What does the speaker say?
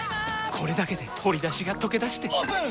これだけで鶏だしがとけだしてオープン！